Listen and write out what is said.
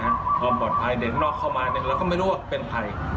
ความปลอดภัยเด็กนอกเข้ามาเนี่ยเราก็ไม่รู้ว่าเป็นใคร